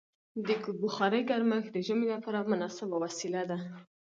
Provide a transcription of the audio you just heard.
د بخارۍ ګرمښت د ژمي لپاره مناسبه وسیله ده.